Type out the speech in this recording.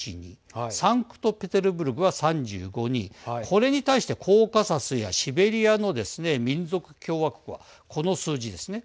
サンクトペテルブルクは３５人これに対して、コーカサスやシベリアのですね、民族共和国はこの数字ですね。